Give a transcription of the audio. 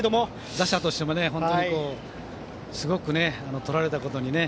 打者としても本当にすごくとられたことにね。